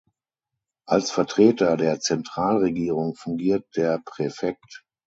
Als Vertreter der Zentralregierung fungiert der Präfekt.